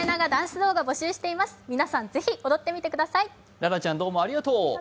ららちゃん、どうもありがとう。